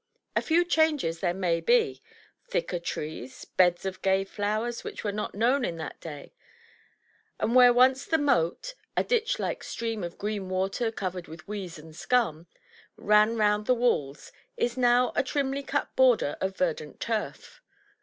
A few changes there may be — thicker trees, beds of gay flowers which were not known in that day; and where once the moat — a ditch like stream of green water covered with weeds and scum — ran round the walls, is now a trimly cut border of verdant turf.